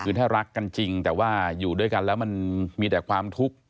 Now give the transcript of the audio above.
คือถ้ารักกันจริงแต่ว่าอยู่ด้วยกันแล้วมันมีแต่ความทุกข์